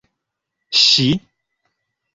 ŝi